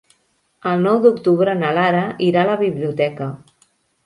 El nou d'octubre na Lara irà a la biblioteca.